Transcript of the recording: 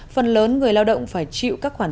phần lớn người lao động phải chịu các khoản